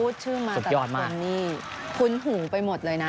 แต่พูดชื่อมาตัวตัวนี้คุ้นหูไปหมดเลยนะ